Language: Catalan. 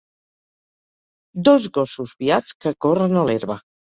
Dos gossos viats que corren a l'herba.